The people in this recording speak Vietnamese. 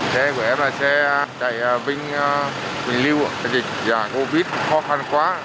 xe của em là xe chạy vinh quỳnh lưu dịch covid khó khăn quá